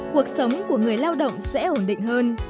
cuộc sống của người lao động sẽ ổn định hơn